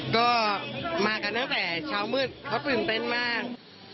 ก็มากันตั้งแต่เช้ามืดเขาตื่นเต้นมาก